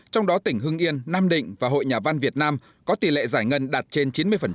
trong đó tỉnh hưng yên nam định và hội nhà văn việt nam có tỷ lệ giải ngân đạt trên chín mươi